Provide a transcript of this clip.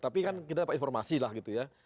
tapi kan kita dapat informasi lah gitu ya